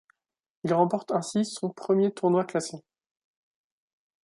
Il remporte ainsi son premier tournoi classé.